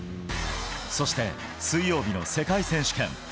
そして、水曜日の世界選手権。